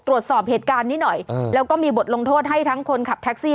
ตรวจสอบเหตุการณ์นี้หน่อยแล้วก็มีบทลงโทษให้ทั้งคนขับแท็กซี่